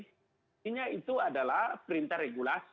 intinya itu adalah perintah regulasi